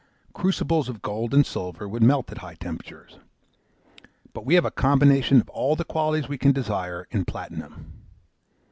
Crucibles of gold and silver would melt at high temperatures. But we have a combination of all the qualities we can desire in Platinum.